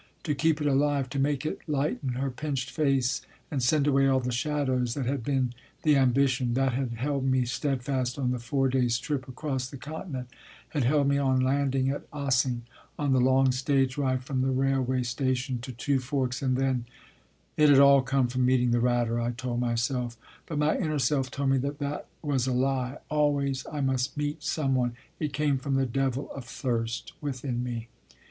To keep it alive, to make it lighten her pinched face and send away all the shadows that had been the ambition that had held me steadfast on the four days trip across the continent, had held me on landing at Ossing, on the long stage ride from the railway sta tion to Two Forks, and then It had all come from meeting the Ratter, I told myself, but my inner self told me that that was a lie. Always I must meet some one it came from the devil of thirst within me.